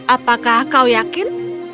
apakah kau yakin